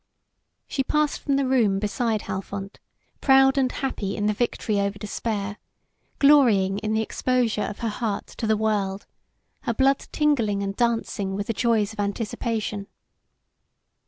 She passed from the room beside Halfont, proud and happy in the victory over despair, glorying in the exposure of her heart to the world, her blood tingling and dancing with the joys of anticipation.